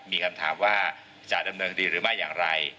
มีคำถามว่าจะดำเนินคดีหรือไม่อย่างไร